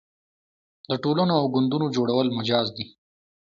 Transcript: د ټولنو او ګوندونو جوړول مجاز دي.